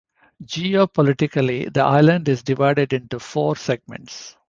Geopolitically, the island is divided into four segments.